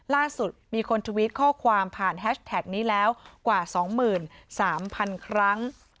ล่าสุดมีคนทวิตข้อความผ่านแฮชแท็กนี้แล้วกว่า๒๓๐๐๐ครั้ง